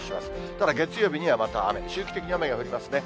ただ月曜日にはまた雨、周期的に雨が降りますね。